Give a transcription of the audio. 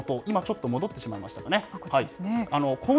今ちょっと戻ってしまいましたかね。